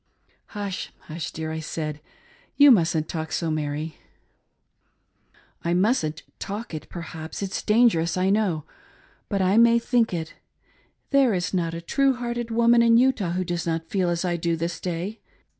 " Hush! Hush, dear," I said, ".You mustn't talk so, Mary! " "I mustn't ifllk it perhaps rit's dangerous, I know ;— but I ALL lostI^ jgg, may think it. There is not a true hearted woman in Utah who does not feel as I do this day.